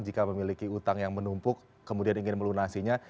jika memiliki utang yang menumpuk kemudian ingin melunasinya